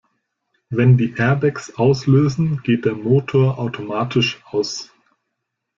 Wenn die Airbags auslösen, geht der Motor automatisch aus.